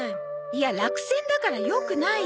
いや落選だからよくないの。